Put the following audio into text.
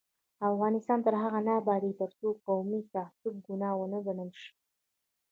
افغانستان تر هغو نه ابادیږي، ترڅو قومي تعصب ګناه ونه ګڼل شي.